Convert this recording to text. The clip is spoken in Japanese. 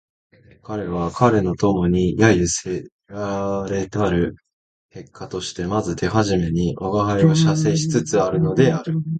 彼は彼の友に揶揄せられたる結果としてまず手初めに吾輩を写生しつつあるのである